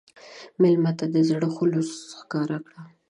مېلمه ته د زړه خلوص ښکاره کړه.